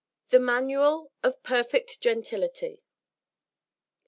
THE MANUAL OF PERFECT GENTILITY.